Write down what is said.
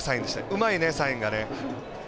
うまいね、サインがね。